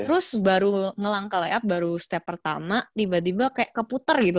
terus baru ngelang ke layar baru step pertama tiba tiba kayak keputer gitu